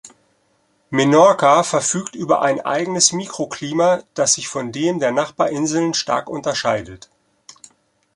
Menorca verfügt über ein eigenes Mikroklima, das sich von dem der Nachbarinseln stark unterscheidet.